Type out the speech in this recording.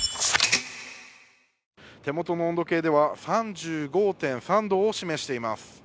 手元の温度計では３５．３度を示しています。